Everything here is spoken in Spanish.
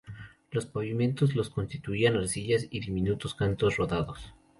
Los pavimentos los constituían arcillas y diminutos cantos rodados.